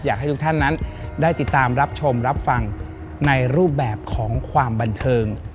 อยากให้ทุกท่านนั้นได้ติดตามรับชมรับฟังในรูปแบบของความบันเทิง